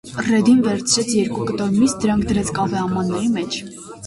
Ռեդին վերցրեց երկու կտոր միս, դրանք դրեց կավե ամանների մեջ։